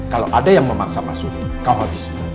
kalau ada yang memaksa masuk kau habisi